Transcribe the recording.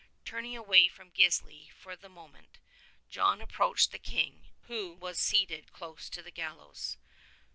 Turning away from Gisli for the moment, John approached the King, who was seated close to the gallows.